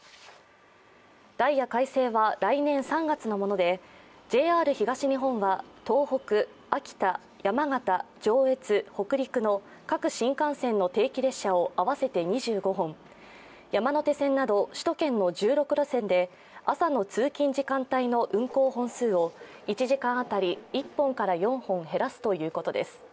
ダイヤ改正は来年３月のものでＪＲ東日本は東北、秋田、山形、上越、北陸の各新幹線の定期列車を合わせて２５本山手線など、首都圏の１６路線で朝の通勤時間帯の運行本数を１時間当たり１本から４本減らすということです。